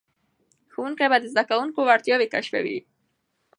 ښوونکي د زده کوونکو وړتیاوې کشفوي.